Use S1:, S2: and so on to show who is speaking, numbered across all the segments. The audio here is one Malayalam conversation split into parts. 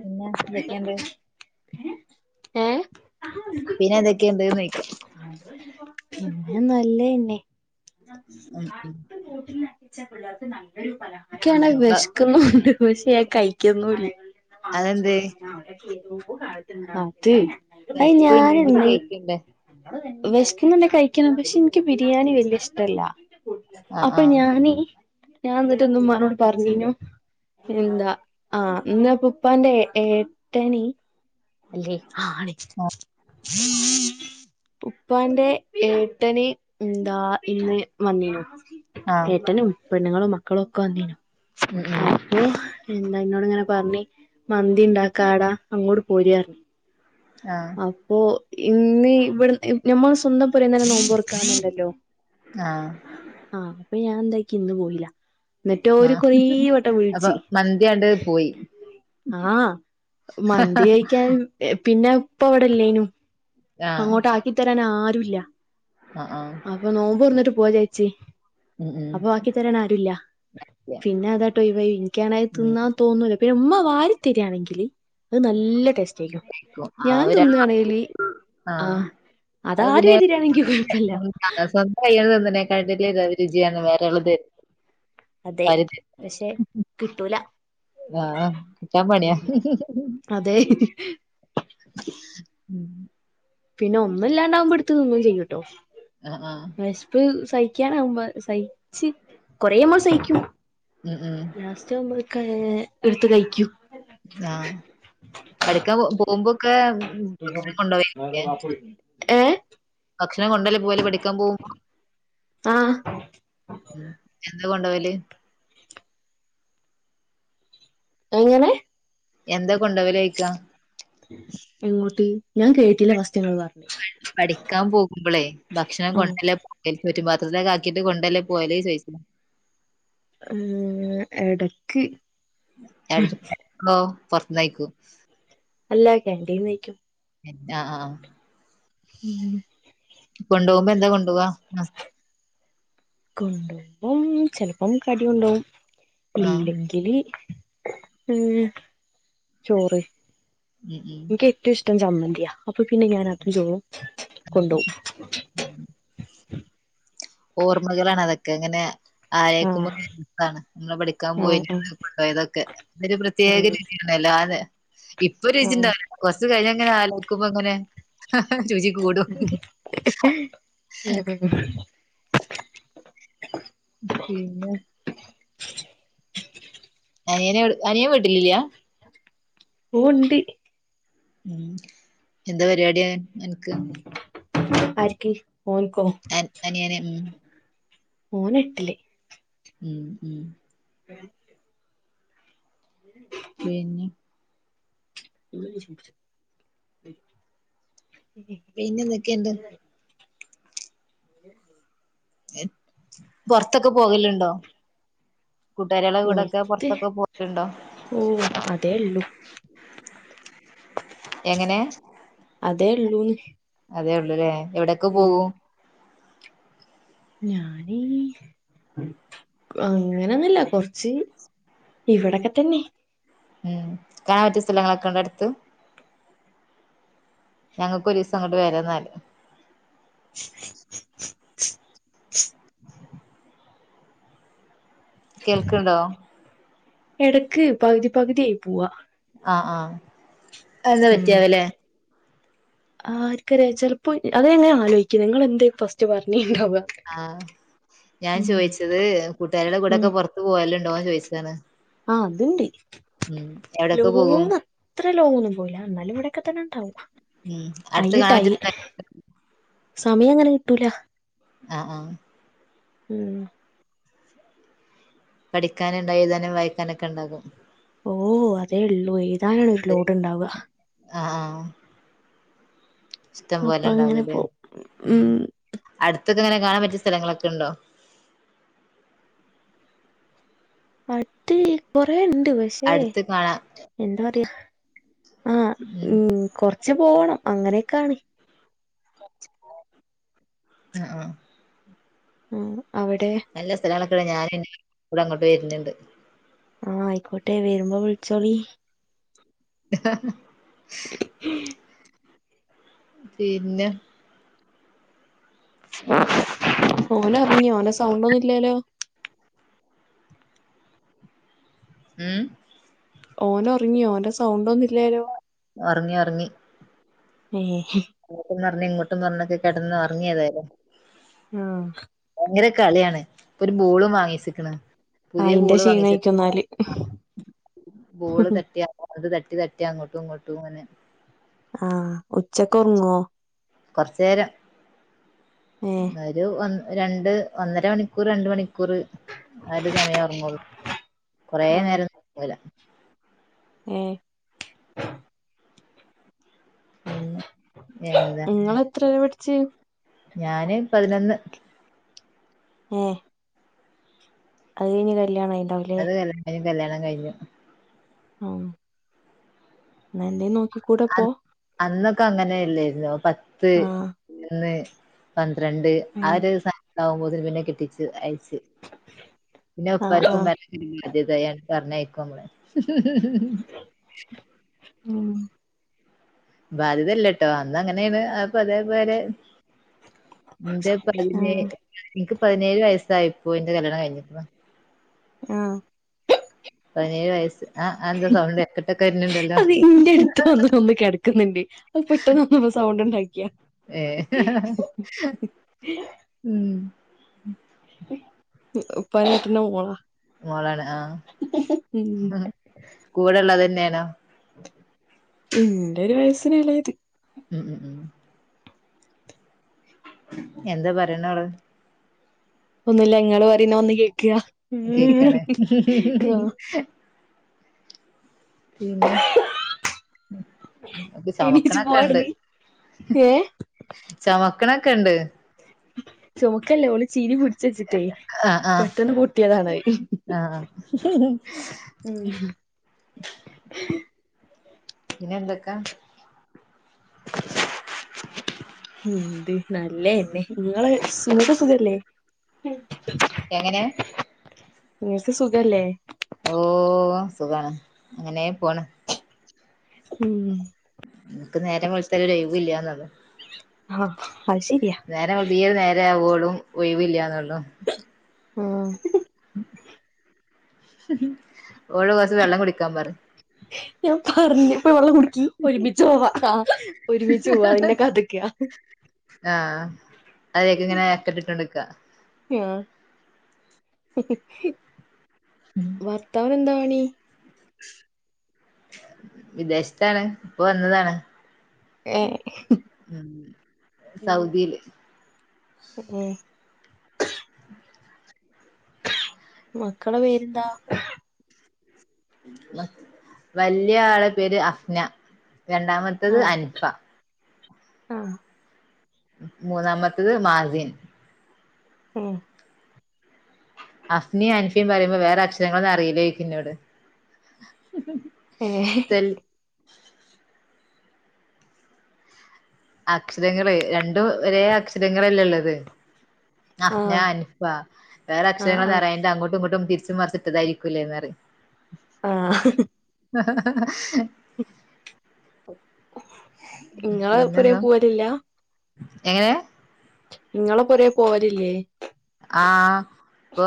S1: പിന്നെ ന്തൊക്കെ ഇണ്ട്
S2: അത്
S1: പിന്നെ എന്തൊക്കെണ്ട്ന്നാേയ്ക്കാ
S2: ന്നെ നല്ലെയെന്നെ ഇയ്ക്കാണെ
S1: ബ
S2: വെശ്ക്ക്ന്നൂണ്ട് പക്ഷെ ഞാൻ കൈയ്ക്ക്ന്നുൽ
S1: അതെന്ത്
S2: അതെ അയ്
S1: വിശപ്പ് ഉണ്ടെങ്കില്
S2: ഞാനെന്തേ
S1: കഴിക്കണ്ടേ
S2: വെശ്ക്ക്ന്ന്ണ്ടെ കൈക്കണം പക്ഷെ ഇൻക്ക് ബിരിയാണി വെല്യെ ഇഷ്ടല്ലാ അപ്പ
S1: ആഹ്
S2: ഞാനീ ഞാൻ ന്നിട്ട് ഇന്ന് ഇമ്മാനോട് പർഞ്ഞു ഞാ എന്താ ആഹ് നിന്നപ്പ ഉപ്പാന്റെ ഏട്ടെനി അല്ലേ ആഹ് ആണ് ഉപ്പാന്റെ ഏട്ടെന് എന്താ ഇന്ന് വന്നീനു
S1: ആഹ് ആഹ് ആഹ്
S2: ഏട്ടെനും പെണ്ണ്ങ്ങെളും മക്കളും ഒക്കെ വന്നീനു
S1: ഉം ഉം
S2: അപ്പൊ എന്താ ഇന്നോട് ഇങ്ങെനെ പർഞ്ഞ് മന്തിണ്ടാക്കാടാ അങ്ങോട്ട് പോര്ർ
S1: ആഹ്
S2: പ്പൊ ഇന്ന് ഇവിട് ഇ ഞമ്മള് സ്വന്തം പോരേന്നെന്നെ നോമ്പൊർക്കാന്ന്ണ്ടല്ലോ
S1: ആഹ്
S2: ആഹ് അപ്പ ഞാൻ എന്താക്കി ഇന്ന് പോയീലാ ന്നെട്ടോര്
S1: ആഹ്
S2: കൊറേ വട്ടം
S1: അപ്പൊ
S2: വിൾച്ച്
S1: മന്തിയാണ്ട് പോയി
S2: ആഹ് മന്തി കഴിക്കാനും പിന്നെ ഉപ്പ ഇവെടെല്ലേനു അങ്ങോട്ട് ആക്കിത്തരാനാരുല്ലാ
S1: അഹ് ആഹ്
S2: അപ്പ നോമ്പൊർന്ന്ട്ട് പോവാചാര്ച്ചി
S1: ഉം ഉം
S2: അപ്പ ആക്കി തരാനാരുല്ലാ പിന്നെ അതാട്ടാെയവായ് ഇൻയ്ക്കാണെ അത്
S1: ഉം
S2: ത്‌ന്നാ തോന്നൂലാ പിന്നെ ഉമ്മ വാരി തെരാണെങ്കില് അത് നല്ലെ ടേസ്റ്റായ്ര്ക്കും
S1: കഴിക്കും. ആ
S2: ഞാൻ
S1: ഒരാ
S2: തിന്നാണേല് ആഹ് അത് ആ രീതിയിലാണെങ്കിൽ
S1: സ്വന്തം കയ്യോണ്ട് തിന്ന് നേക്കാളും രുചിയാണ് വരെയുള്ളോർ തരുമ്പോ
S2: അതെ പക്ഷെ കിട്ടൂല
S1: ആഹ് കിട്ടാൻ പണിയാ
S2: അതെ
S1: ഉം [inaudible]
S2: പിന്നെ ഒന്നുംല്ലാണ്ടാവുമ്പോടുത്തു തിന്നുചെയ്യൂട്ടോ
S1: ആഹ് ആഹ്
S2: ബഷ്പ് സഹിക്കാന ആകുമ്പോ സഹിച്ച് കൊറേമ്മൾ സഹിക്കും
S1: ഉം ഉം
S2: ലാസ്റ്റ് ആവുമ്പൾക്കെ എടുത്ത് കഴിക്കൂ
S1: ആഹ് പഠിക്കാൻ പോകുമ്പോക്കെ ഭക്ഷണം കൊണ്ടൊക്കായിരിക്കുലെ
S2: ഏഹ്
S1: ഭക്ഷണം കൊണ്ടല്ലേ പോവൽ പഠിക്കാൻ പോകുമ്പോ
S2: ആഹ്
S1: ഉം എന്താ കൊണ്ടോവല്
S2: എങ്ങനെ
S1: എന്താ കൊണ്ടോകലയ്ക്ക
S2: എങ്ങോട് ഞാൻ കേട്ടില്ല ഫസ്റ്റ്ങ്ങൾ പർ
S1: പഠിക്കാൻ പോകുമ്പോളേ ഭക്ഷണം
S2: ആഹ്
S1: കൊണ്ടല്ലേ എ ചുറ്റുപത്രത്തിലൊക്കെ ആക്കിട്ട് കൊണ്ടല്ലേ പോവൽ ചോദിച്ച
S2: ഉം ഇടക്ക്
S1: ഓ പുറത്തന്നയിക്കോ
S2: അല്ല കാന്റീന്ന് കയിക്കും
S1: ആഹ് ആഹ്
S2: ഉം
S1: കൊണ്ടോവ്മ്പോ എന്താ കൊണ്ടോവാ
S2: കൊണ്ടോവിമ്പം ചെലപ്പം കടി കൊണ്ടോകും
S1: ആ.
S2: ഇല്ലെങ്കില് ഉം ചോറ്
S1: ഉം ഉം
S2: ഇൻക്ക് ഏറ്റവും ഇഷ്ടം ചമ്മന്തിയാ അപ്പൊ പിന്നെ ഞാൻ അതും ചോറും കൊണ്ടുപോവും
S1: ഓർമ്മകളാണ് അതൊക്കെ അങ്ങനെ ആലോയ്ക്കുമ്പോ
S2: ആഹ്
S1: നമ്മെ പഠിക്കാൻ
S2: ആഹ്
S1: പോയതൊക്കെ കൊണ്ടോയതൊക്കെ അതൊരു പ്രത്യേക
S2: ആഹ്
S1: രീതി ല്ലോ അതെ ഇപ്പൊ
S2: ആഹ്
S1: രുചിണ്ടാവില്ല കൊറച്ച കഴിഞ്ഞങ്ങനെ ആലോക്കുമ്പ അങ്ങനെ രുചിക്കൂടും
S2: [inaudible]
S1: പിന്നെ അനിയനെ അനിയൻ വീട്ടിലില്ല
S2: ഓ ഇണ്ട്
S1: ഉം എന്താ പരിപാടിയ അൻക്ക്
S2: ആർക്ക് ഓൻക്കോ
S1: എൻ അനിയന് ഉം
S2: ഓൻ എട്ടില്
S1: ഉം ഉം
S2: [inaudible] [inaudible]
S1: പിന്നെ
S2: [inaudible]
S1: പിന്നെ എന്തക്കെണ്ട്
S2: [inaudible]
S1: പൊറത്തൊക്കെ പോകൽണ്ടോ കൂട്ടുകാരികളെ കൂടൊക്കെ
S2: പൊറത്ത്
S1: പൊറത്തൊക്കെ പോയിട്ടുണ്ടോ
S2: ഓ അതേ ഉള്ളൂ
S1: എങ്ങനെ
S2: അതേ ഉള്ളൂന്ന്
S1: അതേ ഉള്ളുലേ എവിടെയൊക്കെ പോകൂ
S2: ഞാനീ അങ്ങനൊന്നുല്ല കൊറച്ച് ഇവിടെക്കെ തന്നെ
S1: ഉം കാണാൻ ഒത്തിരി സ്ഥലങ്ങളൊക്കെ ഉണ്ട് അടുത്ത് ഞങ്ങക്ക് ഒരുസ്സം അങ്ങോട്ട് വരാ എന്നാല് കേൾക്കുണ്ടോ
S2: എടക്ക് പകുതി പകുതിയായി പുവ്വാ
S1: ആഹ് ആഹ് അതെന്താ പറ്റിയാവുലേ
S2: ആർക്കറിയാം ചെലപ്പോയ് അത ഞാൻ ഇങ്ങനെ ആലോയിക്ക്ന്നെ ഇങ്ങള് എന്താ ഈ ഫസ്റ്റ് പറഞ്ഞീണ്ടാവുക
S1: ആഹ് ഞാൻ ചോയിച്ചത് കൂട്ടുകാരിടെ
S2: ഉം
S1: കൂടൊക്കെ പൊറത്ത് പോവലുണ്ടോന്ന് ചോയിച്ചത
S2: ആഹ് അതുണ്ട്
S1: എവിടൊക്കെ പോകും
S2: ലോങ് അ അത്ര ലോങൊന്നും പോയില്ല എന്നാലും ഇവിടെക്കെ തന്നെ ഉണ്ടാവും
S1: ഉം അടുത്ത്
S2: അയിന്
S1: കാണാൻ
S2: ട്ടൈ
S1: പറ്റിയ സ്ഥലം
S2: സമയം അങ്ങനെ കിട്ടൂല
S1: ആഹ് ആഹ്
S2: ഉം
S1: പഠിക്കാനും ഉണ്ട എഴുതാനും വായിക്കാനൊക്കെ ഉണ്ടാകും
S2: ഓ അതേ ഉള്ളൂ ഏഴുതാനാണ് ഒരു ലോഡ് ഉണ്ടാവ്വ
S1: ആഹ് ഇഷ്ടം പോലെ
S2: അപ്പൊ അങ്ങനെ
S1: ഉണ്ടാവൂലേ
S2: പോവും
S1: ഉം അടുത്തൊക്കെ എങ്ങനെ കാണാൻ പറ്റിയ സ്ഥലങ്ങളൊക്കെ ഉണ്ടോ
S2: അടുത്ത് കൊറേ ഉണ്ട് പ പക്ഷേ
S1: അടുത്ത് കാണാം
S2: എന്താ പറയാ ആ ഉം കൊറ ച്ച് പോണം അങ്ങനെയൊക്കെ ആണ്
S1: കൊറച്ച് പോണം ആഹ് ആഹ്
S2: ഉം അവിടെ
S1: നല്ല സ്ഥലങ്ങളൊക്കെ ഉണ്ടോ ഞാനും എൻ്റെ വീട്ടുകാരും കൂടെ അങ്ങോട്ട് വരുന്നുണ്ട്
S2: ആഹ് ആയിക്കോട്ടെ വരുമ്പം വിളിച്ചോളി
S1: പിന്നെ [inaudible]
S2: ഓൻ ഒറിങ്ങിയ ഓനെ സൗണ്ട് ഒന്നുംല്ലല്ലോ
S1: ഉം
S2: ഓൻ ഉറങ്ങിയൊ ഓന്റെ സൗണ്ട് ഒന്നുല്ലാലോ
S1: ഉറങ്ങി ഉറങ്ങി
S2: മ്മ്
S1: അങ്ങോട്ടും പറഞ്ഞഞ് ഇങ്ങോട്ടും പറഞ്ഞൊക്കെ കിടന്ന് ഉറങ്ങിയതായാലോ
S2: ഉം
S1: ഭയങ്കര കളിയാണ് ഇപ്പൊ ഒരു ബോളും വാങ്ങിച്ചിക്കണ
S2: ആ അയിന്റെ ക്ഷീണയിക്കന്നാല്
S1: ബോള് തട്ടി അത് തട്ടി തട്ടി അങ്ങോട്ടും ഇങ്ങോട്ടും അങ്ങനെ
S2: ആഹ ഉച്ചക്ക ഉറങ്ങോ
S1: കൊറച്ചു
S2: ഏ
S1: നേരം ഒരു രണ്ട് ഒന്നര മണിക്കൂർ രണ്ട് മണിക്കൂർ ആ ഒരു സമയം ഉറങ്ങുള്ളൂ കൊറെേ നേരം പോല
S2: ഉം
S1: പിന്നെ എന്താ
S2: ങ്ങള് എത്ര വരെ പഠിച്ച്
S1: ഞാന് പതിനൊന്ന്
S2: ഏ അതഴിഞ്ഞ് കല്യാണം ആയിണ്ടാവു
S1: അത് കഴിഞ്ഞപ്പത്തെക്കും കല്യാണം കഴിഞ്ഞു
S2: ആഹ് എന്നല്ല നോക്കിക്കൂടെപ്പോ
S1: അ- അന്നൊക്കെ അങ്ങനെല്ലായിരുന്നു
S2: ആ
S1: പത്ത്ന്ന് പന്ത്രണ്ട് ആ
S2: ഉം
S1: ഒരു സധന ആകുമ്പോതിന് പിന്നെ കെട്ടിച്ച് അയച്ച് പിന്നെ
S2: ആ
S1: ഉപ്പർക്കു
S2: ആ
S1: അതതൻ പറഞ്ഞയിക്കോ നളെ
S2: ഉം
S1: ബാധ്യതല്ലട്ടോ അന്ന് അങ്ങനെയാണ് അപ്പൊ അതേ പോരെ എന്റെ
S2: ആ
S1: പതിനേഴപ്പെനിനിക്ക് പതിനേഴ് വയസ്സായിപ്പോ എന്റെ കല്യാണം കഴിഞ്ഞിട്ട
S2: ആഹ്
S1: [inaudible] പതിനേഴ് വയസ്സ് ആഹ് എന്താ സൗണ്ട് എക്കട്ടൊക്കെ വര്ന്നണ്ടല്ലോ
S2: അത് അ പെട്ടെന്ന്ന്നപ്പോ സൗണ്ട് ഉണ്ടാക്കിയാ
S1: ഏ
S2: ഉ
S1: ഉം
S2: ഉപ്പാന്റെട്ടന്റെ മോള
S1: മോളാണ് കൂടെള്ളത് തന്നെണോ
S2: ഇന്റെ ഒരു വയസ്സിനെളെത്
S1: ഉം ഉം ഉം എന്താ പറിണോള്
S2: ഒന്നല്ല ങ്ങള് പറയുന്ന ഒന്ന് കേക്കുക
S1: കേക്കാണ്
S2: ആ
S1: പിന്നെ
S2: എണീച്ച് പോ
S1: ചമക്കണൊക്കെ ഉണ്ട്
S2: അവിടുന്ന് ഏ
S1: ചവക്കണൊക്കെ ഉണ്ട്
S2: ചുമക്കല്ലേ ഓള് ചീരി പിടിച്ചച്ച്
S1: ആ ആ
S2: പെട്ടെന്ന് പൊട്ടിയതാണ്
S1: ആ ആ.
S2: ഉം
S1: ഇന്നെന്തൊക്കാ
S2: എന്ത് നല്ലന്നെ നിങ്ങളെ നിങ്ങൾക്ക് സുഖല്ലേ [unintelligible]
S1: എങ്ങനെ
S2: ഇങ്ങക്ക് സുഖല്ലേ
S1: ഓഹ് സുഖാണ് അങ്ങനെ പോണ്
S2: ഉം
S1: നമക്ക് നേരം വെൾത്താല് ഒഴിവ് ഇല്ലന്ന
S2: ആഹ് അ ശരിയ
S1: നേരങ്ങൾ തീരെ നേരെ ആവുവളും ഒഴിവില്ലന്നള്ളു
S2: ആഹ്
S1: ഓള് ദസം വെള്ളം കുടിക്കാൻ പറ
S2: ഞാൻ പറഞ്ഞപ്പ വല്ല ഒരുമച്ച് പോവാ ആ ഒരുമിച്ച് പോവാ പിന്നെ കാത്ക്ക
S1: ആഹ് അതൊക്കെ ഇങ്ങനെ അക്കട്ടിട്ട്ണ്ടടുക്കാ
S2: ആഹ് ഭർത്തവിന എന്താവാണീ
S1: വിദേഷ്ത്താണ് ഇപ്പൊ വന്നതാണ്
S2: ഏഹ്
S1: സൗദീല്
S2: ഉ ഉം മക്കളെ പേര്ന്താ?
S1: വൽയാളെ പേര് അഫ്ന, രണ്ടാമത്തത്
S2: ആഹ്
S1: അൻഫ.
S2: ആഹ്
S1: മൂന്നാമത്തത് മാസിൻ.
S2: ഉം
S1: അഫ്നിം അൻഫിം പറിമ്പൊ, വേറെ അക്ഷരങ്ങളൊന്നും അറീലേയ്ക്കും ഇന്നോട്
S2: ഏഹ്
S1: [unintelligible] അക്ഷരങ്ങള് രണ്ടു ഒരേ അക്ഷരങ്ങളല്ലെ ഇള്ളത്. അഫ്നാ,
S2: ആഹ്
S1: അൻഫ. വേറെ
S2: ആഹ് ആഹ്
S1: അക്ഷരങ്ങളൊന്നറ്യാഞ്ഞ്ട്ട അങ്ങോട്ടും ഇങ്ങോട്ടും തിര്ച്ചും മർച്ചും ഇട്ടതായിരിക്കും ലേ ന്നറിം
S2: ആഹ്
S1: ഹാ ഹാ
S2: ഇങ്ങള് പൊരേ
S1: പിന്നെന്താ
S2: പോവലില്ലാ?
S1: എങ്ങനെ?
S2: ഇങ്ങളെ പൊരേ പോവലില്ലേ?
S1: ആഹ് ഇപ്പോ,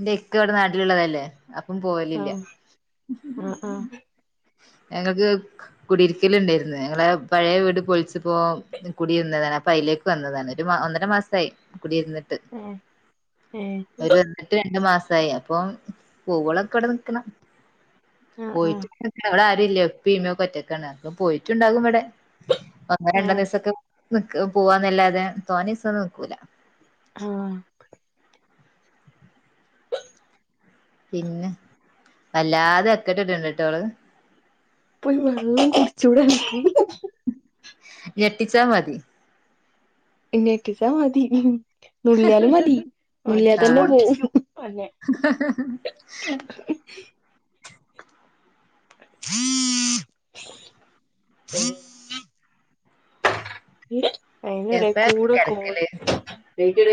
S1: ഇന്റെക്കവടെ നാട്ടില്ള്ളതല്ലേ അപ്പം പോവലില്ല.
S2: ആഹ് ആഹ് ആഹ്
S1: ഞങ്ങക്ക് കുടിര്ക്കല്ണ്ടായിര്ന്ന്. ഞങ്ങളെ പഴയ വീട് പൊൾച്ച്പ്പോ കുടിര്ന്നതാണ് അപ്പൊ അയ്ലേക്ക് വന്നതാണ് ഒരു മാ ഒന്നര മാസായി. കുടിര്ന്ന്ട്ട്.
S2: ഏഹ് ഏ
S1: ഓര് വന്ന് ട്ട് രണ്ട് മാസായി. അപ്പം പോവോളൊക്കെവടെ നിക്കണം
S2: ആ ആ
S1: പോയിട്ട് [unintelligible] അവ്ടെ ആരൂല്ല, ഉപ്പി ഇമ്മക്കെ ഒറ്റക്കാണ്. പോയിട്ട്ണ്ടാകും വടെ ഒന്നൊ
S2: ആ
S1: രണ്ടോ ദീസൊക്കെ നിക്ക പോവാന്നല്ലാതെ, തോനീസൊന്നും നിക്കൂല.
S2: ആഹ്
S1: പിന്നെ വല്ലാതെ എക്കട്ട്ട്ണ്ട്ട്ടോള്
S2: പോയി വെള്ളം കുട്ച്ചൂട [unintelligible]
S1: ഞെട്ടിച്ചാ മതി.
S2: ഞെട്ടിച്ചാ മതി, നുള്ള്യാലും മതി. നുള്ള്യാതന്നെ പോവും.
S1: ഹെ ഹെ ഹെ ഹെ
S2: [unintelligible] [unintelligible]
S1: എപ്പഴാ
S2: അയ്ന്റെടേക്കൂടെ കോൾ
S1: കിടക്കല്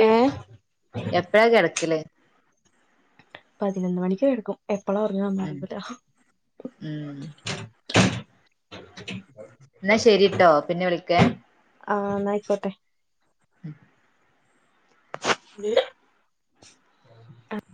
S2: ഏഹ്
S1: എപ്പഴാ കെടക്കല്?
S2: പതിനൊന്ന് മണിക്ക് കെടക്കും. എപ്പളാ
S1: ഉം
S2: ഒറങ്ങാന്നറിയൂല.
S1: ഉം ഇന്നാ ശരിട്ടോ പിന്നെ വിളിക്കേ
S2: ആഹ് ന്നയ്ക്കോട്ടെ.
S1: ഉം
S2: [unintelligible]